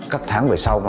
các tháng về sau